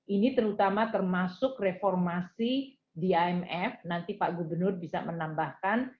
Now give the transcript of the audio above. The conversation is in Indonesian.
ini terutama termasuk reformasi di imf nanti pak gubernur bisa menambahkan